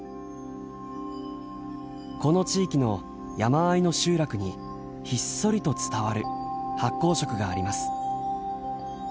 この地域の山あいの集落にひっそりと伝わる発酵食があります。